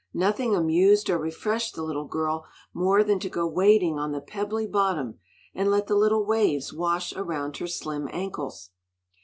Nothing amused or refreshed the little girl more than to go wading on the pebbly bottom and let the little waves wash around her slim ankles.